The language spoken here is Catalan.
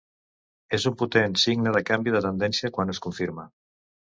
És un potent signe de canvi de tendència quan es confirma.